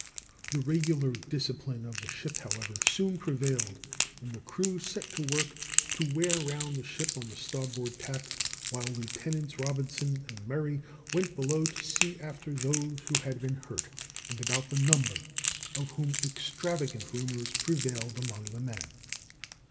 The regular discipline of the ship, however, soon prevailed, and the crew set to work to wear round the ship on the starboard tack, while Lieutenants Robinson and Murray went below to see after those who had been hurt, and about the number of whom extravagant rumors prevailed among the men.